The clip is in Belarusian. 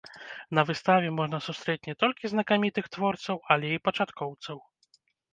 На выставе можна сустрэць не толькі знакамітых творцаў, але і пачаткоўцаў.